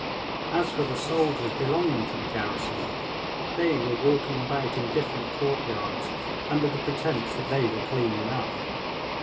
As for the soldiers belonging to the garrison, they were walking about in different courtyards, under the pretense that they were clean enough.